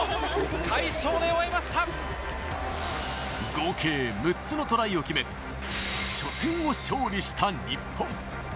合計６つのトライを決め初戦を勝利した日本。